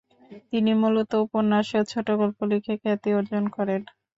তিনি মূলত উপন্যাস ও ছোটগল্প লিখে খ্যাতি অর্জন করেন।